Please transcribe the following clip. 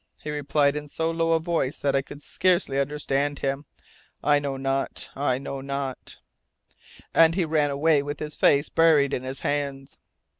He replied in so low a voice that I could scarcely understand him, "I know not I know not " and he ran away with his face buried in his hands.'"